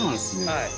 はい。